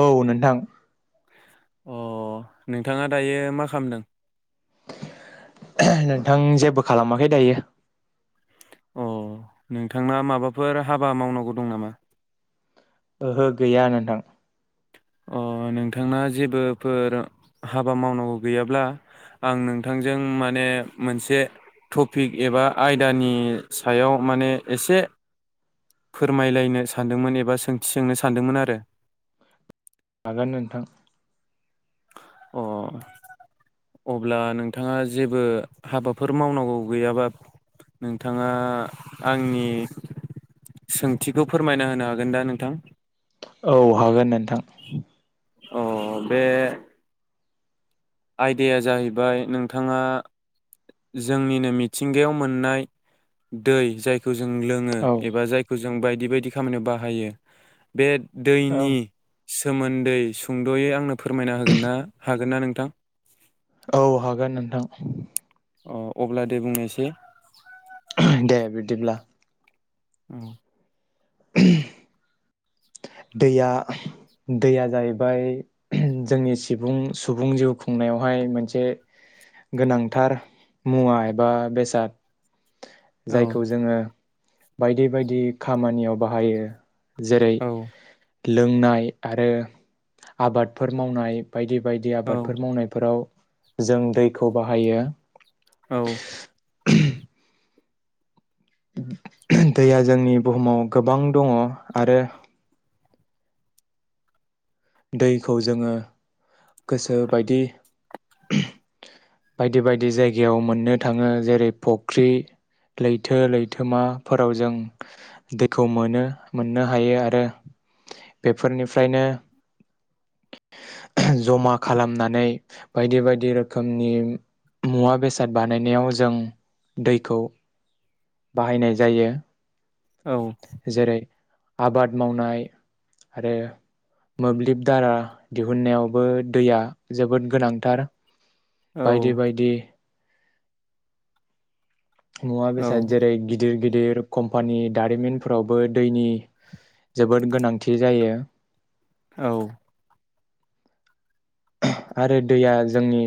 औ नोंथां । अ नोंथाङा दायो मा खालामदों? नोंथां जेबो खालामाखै दायो । अ नोंथांना माबाफोर हाबा मावनांगौ दं नामा? ओहो गैया नोंथां । अ नोंथाङा जेबोफोर हाबा मावनांगौ गैयाब्ला आं नोंथांजों माने मोनसे टपिक एबा आयदानि सायाव माने एसे फोरमायलायनो सानदोंमोन एबा सोंथि सोंनो सानदोंमोन आरो । हागोन नोंथां । अ अब्ला नोंथाङा जेबो हाबाफोर मावनांगौ गैयाबा नोंथाङा आंनि सोंथिखौ फोरमायना होनो हागोन दा नोंथां? औ हागोन नोंथां अ बे आयदाया जाहैबाय नोंथाङा जोंनिनो मिथिंगायाव मोननाय दै जायखौ जों लोङो औ एबा जायखौ जो जों बायदि बायदि खामानियाव बाहायो बे औ दैनि सोमोन्दै सुंद'यै आंनो फोरमायना होगोन ना हागोन ना नोंथां औ हागोन नोंथां अ अब्ला दे बुंनायसै दे बिदिब्ला औ [unintelligible] दैया दैया जाहैबाय जोंनि सिबुं सुबुं जिउ खुंनायावहाय मोनसे गोनांथार मुवा एबा बेसाद औ जायखौ जोङो बायदि बायदि खामानियाव बाहायो जेरै औ लोंनाय आरो आबादफोर मावनाय बायदि बायदि औ आबादफोर मावनायफोराव जों दैखौ बाहायो औ दैया जोंनि बुहुमाव गोबां दङ आरो दैखौ जोङो गोसो बायदि बायदि बायदि जायगायाव मोननो थाङो जेरै फुख्रि लैथो लैथोमाफोराव जों दैखौ मोनो मोननो हायो आरो बेफोरनिफ्रायनो जमा खालामनानै बायदि बायदि रोखोमनि मुवा बेसाद बानायनायाव जों दैखौ बाहायनाय जायो औ जेरै आबाद मावनाय आरो मोब्लिब दारा दिहुननायावबो दैया जोबोद गोनांथार औ बायदि बायदि मुवा औ बेसाद जेरै गिदिर गिदिर कम्पानि दारिमिनफोरावबो दैनि जोबोद गोनांथि जायो। औ। आरो दैया जोंनि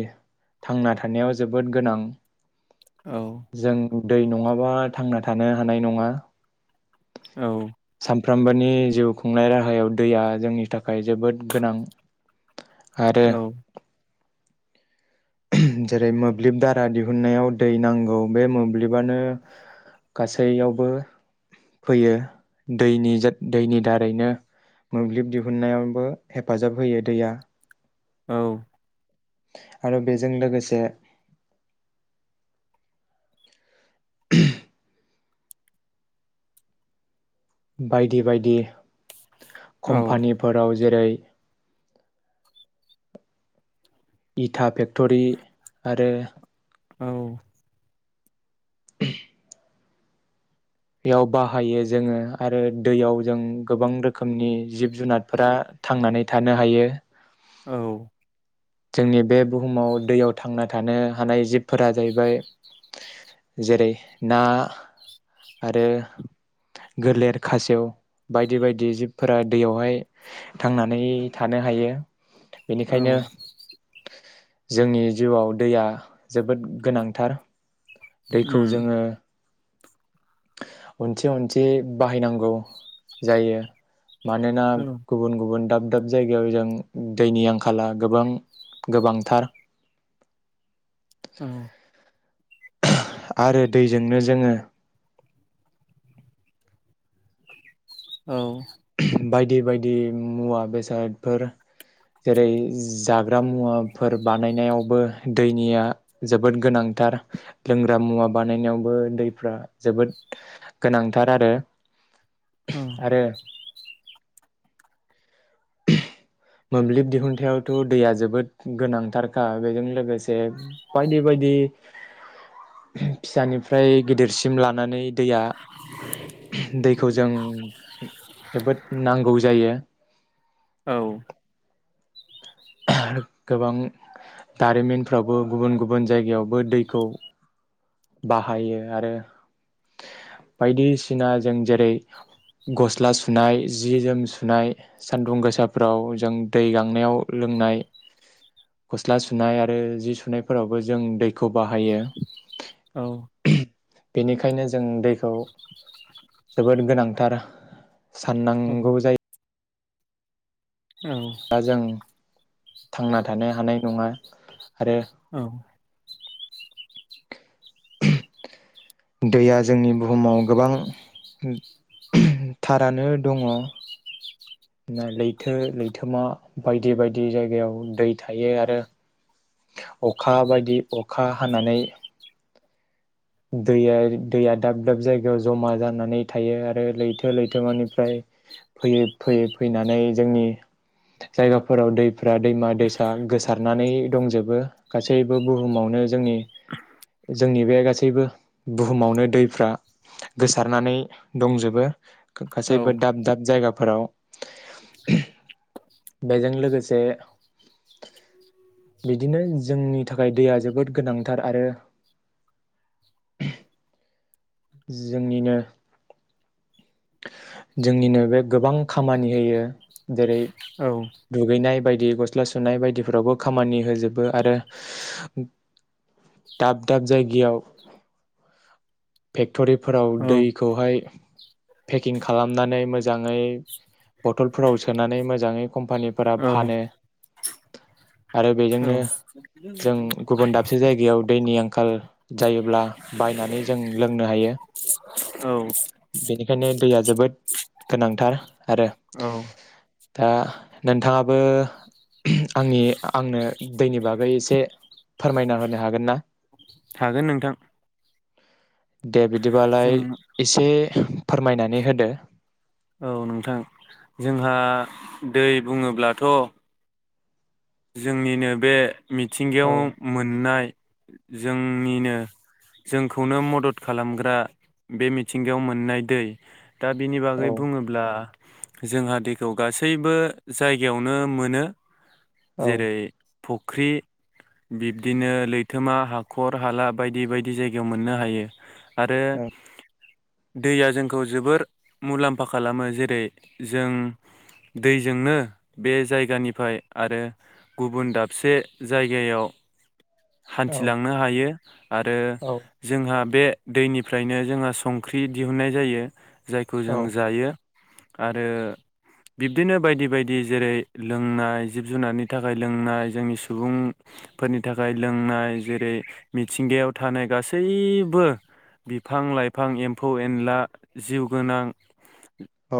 थांना थानायाव जोबोद गोनां औ। जों दै नङाबा थांना थानो हानाय नङा। औ। सानफ्रामबोनि जिउ खुंनाय राहायाव दैया जोंनि थाखाय जोबोद गोनां। आरो जेरै मोब्लिब दारा दिहुनन्नायाव दै नांगौ बे मोब्लिबानो गासैयावबो फैयो दैनि दैनि दारैनो मोब्लिब दिहुननायावबो हेफाजाब होयो दैया औ। आरो बेजों लोगोसे [unintelligible] बायदि बायदि कम्पानिफोराव जेरै इथा फेक्टरि आरो औ। बेयाव बाहायो जोङो आरो दैयाव जों गोबां रोखोमनि जिब जुनारफोरा थांनानै थानो हायो। औ जोंनि बे बुहुमाव दैयाव थांना थानो हानाय जिबफोरा जाहैबाय जेरै ना आरो गलेर खासेव बायदि बायदि जिबफोरा दैयावहाय थांनानै थानो हायो। बेनिखायनो जोंनि जिउआव दैया जोबोद गोनांथार। दैखौ उम जोङो अनसि अनसि बाहायनांगौ जायो। मानोना औ गुबुन गुबुन दाब दाब जायगायाव जों दैनि आंखाला गोबां गोबांथार। औ आरो दैजोंनो जोङो औ बायदि बायदि मुवा बेसादफोर जेरै जाग्रा मुवाफोर बानायनायावबो दैनिया जोबोद गोनांथार लोंग्रा मुवा बानायनायावबो दैफ्रा जोबोद गोनांथार आरो । आरो मोब्लिब दिहुथायावथ' दैया जोबोद गोनांथारखा बेजों लोगोसे बायदि बायदि फिसानिफ्राय गिदिरसिम लानानै दैया दैखौ जों जोबोद नांगौ जायो। औ गोबां दारिमिनफ्रावबो गुबुन गुबुन जायगायावबो दैखौ बाहायो आरो बायदिसिना जों जेरै गस्ला सुनाय जि जोम सुनाय सानदुं गोसाफ्राव जों दै गांनायाव लोंनाय गस्ला सुनाय आरो जि सुनायफोरावबो जों दैखौ बाहायो। औ बेनिखायनो जों दैखौ जोबोद गोनांथार। औ साननांगौ जायो औ जों थांना थानो हानाय नङा आरो औ [unintelligible] दैया जोंनि बुहुमाव गोबां थारानो दङ लैथो लैथोमा बायदि बायदि जायगायाव दै थायो आरो अखा बायदि अखा हानानै दैया दैया दाब दाब जायगायाव जमा जानानै थायो आरो लैथो लैथो मानिफ्राय फैयै फैयै फैनानै जोंनि जायगाफोराव दैफ्रा दैमा दैसा गोसारनानै दंजोबो गासैबो बुहुमावनो जोंनि जोंनि बे गा सैबो बुहुमावनो दैफ्रा गोसारनानै दंजोबो औ गासैबो दाब दाब जायगाफोराव बेजों लोगोसे बिदिनो जोंनि थाखाय दैया जोबोद गोनांथार आरो। जोंनिनो जोंनिनो बे गोबां खामानि होयो जेरै औ दुगैनाय बायदि गस्ला सुनाय बायदिफोरावबो खामानि होजोबो आरो दाब दाब जायगायाव फेक्ट'रिफोराव दैखौहाय पेकिं खालामनानै मोजाङै बथलफोराव सोनानै मोजाङै कम्पानिफोरा औ फानो आरो औ बेजोंनो जों गुबुन दाब से जायगायाव दैनि आंखाल जायोब्ला बायनानै जों लोंनो हायो औ । बेनिखायनो दैया जोबोद गोनांथार आरो औ दा नोंथाङाबो आंनि आंनो दैनि बागै एसे फोरमायना होनो हागोन ना? हागोन नोंथां दे बिदिबालाय जों एसे फोरमायनानै होदो। औ नोंथां जोंहा दै बुङोब्लाथ' जोंनिनो बे मिथिंगायाव औ मोननाय जोंनिनो जोंखौनो मदद खालामग्रा बे मिथिंगायाव मोननाय दै दा बिनि औ बागै बुङोब्ला जोंहा दैखौ गासैबो जायगायावनो मोनो। औ जेरै फ ख्रि बिब्दिनो लैथोमा हाखर हाला बायदि बायदि जायगायाव मोननो हायो। आरो दैया जों खौ जोबोर मुलाम्फा खालामो जेरै जों दैजोंनो बे जायगानिफ्राय आरो गुबुन दाबसे जायगायाव औ हान्थिलांनो हायो आरो औ जोंहा बे दैनिफ्रायनो जोंहा संख्रि दिहुुननाय जायो। जायखौ जों औ जायो। आरो बिब्दिनो बायदि बायदि जेरै लोंनाय जिब जुनारनि नि थाखाय लोंनाय जोंनि सुबुंफोरनि थाखाय लोंनाय जेरै मिथिंगायाव थानाय गासैबो बिफां लाइफां एम्फौ एनला जिउ गोनां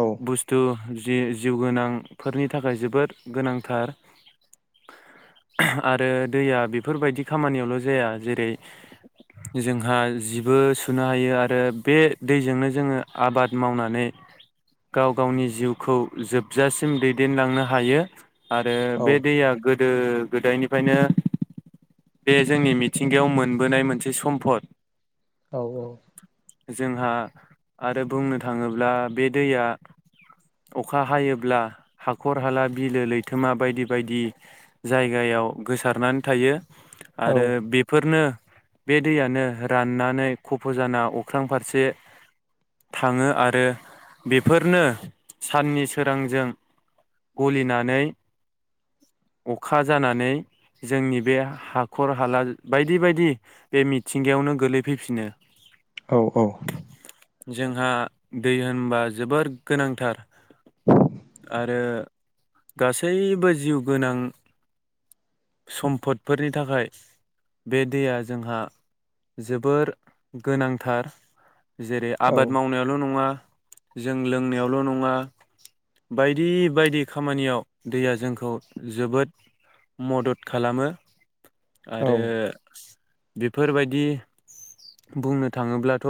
औ बुस्थु जि जिउ गोनांफोरनि थाखाय जोबोद गोनांथार। आरो दैया बेफोरबायदि खामानियावल' जाया जेरै जोंहा जिबो सुनो हायो आरो बे दैजोंनो जोङो आबाद मावनानै गाव गावनि जिउखौ जोबजासिम दैदेनलांनो हायो आरो औ बे दैया गो गोदो गोदायनिफ्रायनो बे जोंनि मिथिंगायाव मोनबोनाय मोनसे सम्फद। औ औ जोंहा आरो बुंनो थाङोब्ला बे दैया अखा हायोब्ला हाखर हाला बिलो लैथोमा बायदि । बायदि जायगायाव गोसारनानै थायो। आरो बेफोरनो बे दैयानो राननानै खफ' जाना अख्रां फारसे थाङो आरो बेफोरनो साननि सोरांजों गलिनानै अखा जानानै जोंनि बे हाखर हाला बायदि बायदि बे मिथिंगायावनो गोलैफैफिनो। औ औ। जोंहा दै होनबा जोबोर गोनांथार आरो गासै गासैबो जिउ गोनां सम्फदफोरनि थाखाय बे दैया जोंहा जोबोर गोनांथार। जेरै औ आबाद मावनायाल' नङा। जों लोंनायावल' नङा बायदि बायदि खामानियाव दैया जोंखौ जोबोद मदद खालामो। आरो बेफोर बायदि बुंनो थाङोब्लाथ'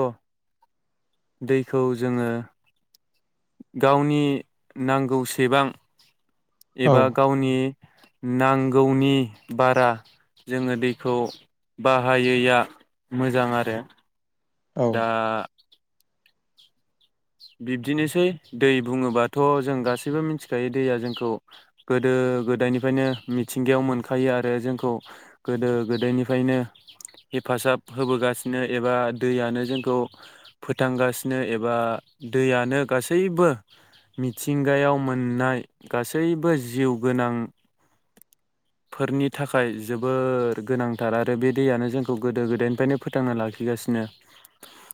दैखौ जोङो गावनि नांगौसेबां एबा गावनि नांगौनि बारा जोङो दैखौ बाहायैआ मोजां आरो दा बिब्दिनोसै दै बुङोबाथ' जों गासैबो मिथिखायो दैया जोंखौ गोदो गोदायनिफ्रायनो मिथिंगायाव मोनखायो आरो जोंखौ गोदो गोदायनिफ्रायनो हेफाजाब होबोगासिनो एबा दैयानो जोंखौ फोथांगासिनो एबा दैयानो गासैबो मिथिंगायाव मोननाय गासैबो जिउ गोनांफोरनि थाखाय जोबोर गोनांथार आरो बे दैयानो जोंखौ गोदो गोदायनिफ्रायनो फोथांना लाखिगासिनो।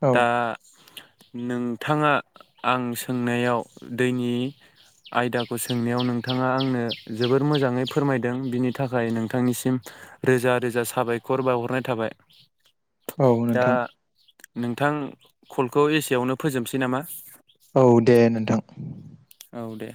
औ दा नोंथाङा आं सोंनायाव दैनि आयदाखौ सोंनायाव नोंथाङा आंनो जोबोर मोजाङै फोरमायदों बिनि थाखाय नोंथांनिसिम रोजा रोजा साबायखर बावहरनाय थाबाय औ दा नोंथां नोंथां कलखौ एसेयावनो फोजोबनोसै नामा औ दे नोंथां औ दे